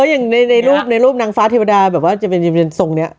อย่างในรูปในรูปนางฟ้าเทวดาแบบว่าจะเป็นทรงนี้